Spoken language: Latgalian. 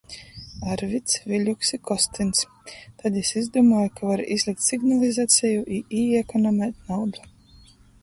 Arvids, Viļuks i Kostyns. tod jis izdūmuoja, ka var izlikt signalizaceju i īekonomēt naudu.